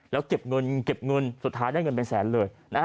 แล้วเก็บเงินเก็บเงินสุดท้ายได้เงินเป็นแสนเลย